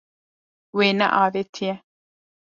Wê neavêtiye.